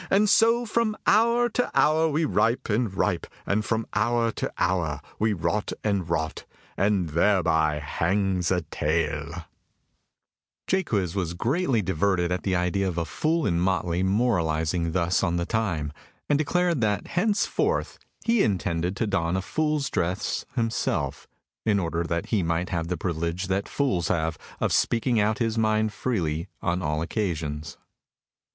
And so from hour to hour we ripe and ripe, and so from hour to hour we rot and rot, and thereby hangs a tale.'" [Illustration: "It is ten o'clock."] Jaques was greatly diverted at the idea of a fool in motley moralising thus on the time, and declared that henceforth he intended to don a fool's dress himself, in order that he might have the privilege that fools have, of speaking out his mind freely on all occasions.